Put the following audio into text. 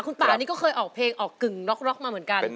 คุณป่านี่ก็เคยออกเพลงออกกึ่งร็อกมาเหมือนกัน